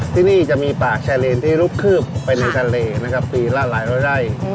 ที่นี่จะมีปากชาเลนที่ลุกคืบไปในทะเลนะครับปีละหลายร้อยไร่